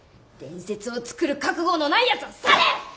伝説を作る覚悟のないやつは去れ！